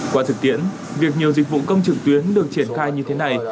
qua thực tiễn việc nhiều dịch vụ công trực tuyến được triển khai như thế này